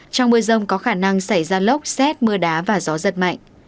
trong mưa rông có khả năng xảy ra lốc xét mưa đá và gió giật mạnh